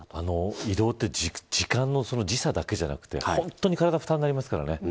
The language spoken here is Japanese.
移動って時差だけじゃなくて本当に体に負担になりますからね。